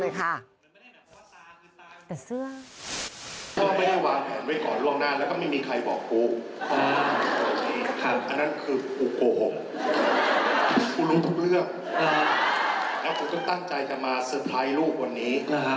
แล้วกูก็ตั้งใจจะมาสุดท้ายลูกวันนี้